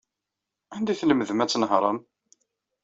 Anda ay tlemdem ad tnehṛem?